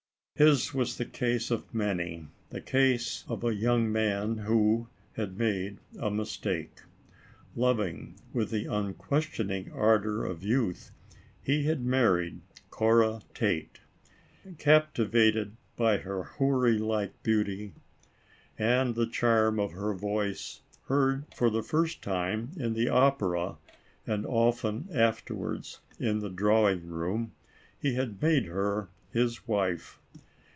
His was the case of many, the case of a young man who had made a mistake. Loving, with the unquestioning ardor of youth, he had married Cora Tate. Captivated by her houri like beauty, ALICE ; OR, THE WAGES OF SIN. 41 and the charm of her voice, heard for the first time in the opera, and often afterwards in the drawing room, he had made her his wife.